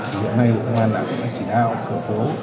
hiện nay bộ công an đã chỉ đạo khởi tố